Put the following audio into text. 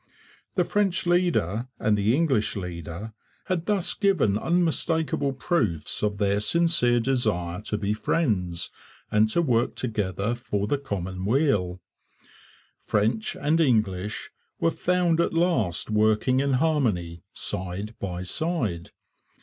The French leader and the English leader had thus given unmistakable proofs of their sincere desire to be friends and to work together for the common weal. French and English were found at last working in harmony, side by side.